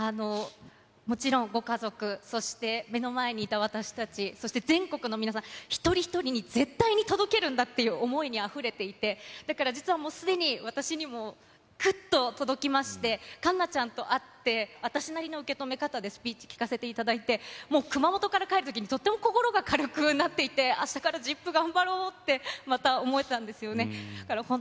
もちろん、ご家族、そして目の前にいた私たち、そして全国の皆さん、一人一人に絶対に届けるんだっていう思いにあふれていて、だから実はもうすでに、私にもぐっと届きまして、栞奈ちゃんと会って、私なりの受け止め方でスピーチ聞かせていただいて、もう熊本から帰るときにとっても心が軽くなっていて、あしたからＺＩＰ頑張ろうって、また思えたんですよね。